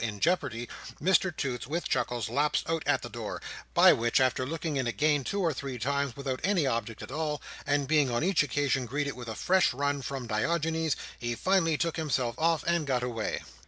in jeopardy, Mr Toots, with chuckles, lapsed out at the door: by which, after looking in again two or three times, without any object at all, and being on each occasion greeted with a fresh run from Diogenes, he finally took himself off and got away.